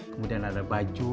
kemudian ada baju